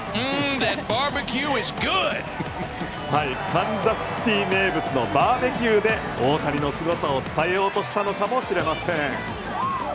カンザスシティー名物のバーベキューで大谷のすごさを伝えようとしたのかもしれません。